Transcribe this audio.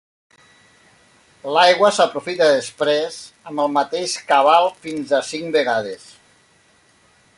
L'aigua s'aprofita després amb el mateix cabal fins a cinc vegades.